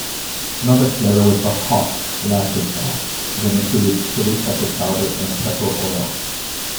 Another flavour was the "hot" Lakrisal that included chili pepper powder and pepper oil.